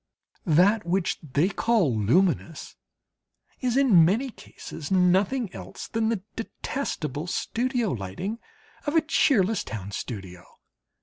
That which they call "luminous" is, in many cases, nothing else than the detestable studio lighting of a cheerless town studio.